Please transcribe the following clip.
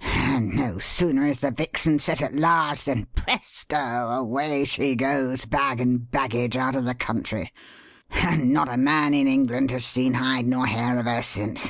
And no sooner is the vixen set at large than presto! away she goes, bag and baggage, out of the country, and not a man in England has seen hide nor hair of her since.